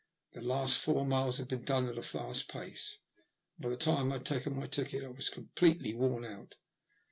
The last four miles had been done at a fast pace, and by the time I had taken my ticket I was completely worn out.